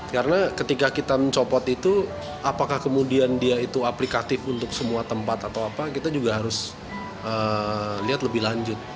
karena ketika kita mencopot itu apakah kemudian dia itu aplikatif untuk semua tempat atau apa kita juga harus lihat lebih lanjut